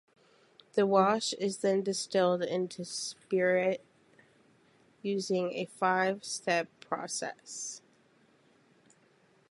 The wash is then distilled into spirit using a five-step process.